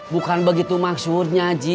bukan begitu maksudnya ji